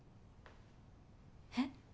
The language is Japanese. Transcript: えっ？